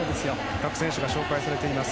各選手が紹介されています。